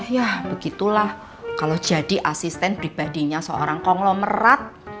ya begitulah kalau jadi asisten pribadinya seorang konglomerat